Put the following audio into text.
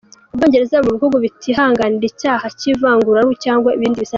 U Bwongereza buri mu bihugu bitihanganira icyaha cy’ivanguraruhu cyangwa ibindi bisa na cyo.